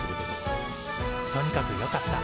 とにかくよかった。